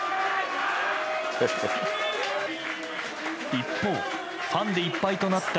一方ファンでいっぱいとなった